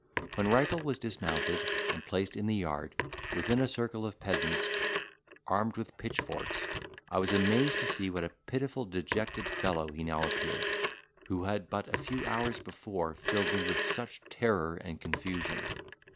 When Rifle was dismounted and placed in the yard, within a circle of peasants, armed with pitchforks, I was amazed to see what a pitiful dejected fellow he now appeared, who had but a few hours before filled me with such terror and confusion.